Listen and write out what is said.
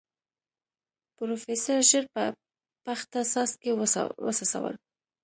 پروفيسر ژر په پخته څاڅکي وڅڅول.